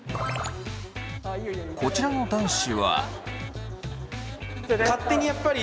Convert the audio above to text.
こちらの男子は。